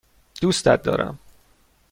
دوستت دارم.